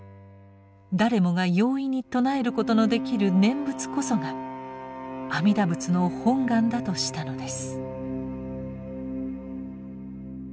誰もが容易に称えることのできる念仏こそが阿弥陀仏の本願だとしたのです。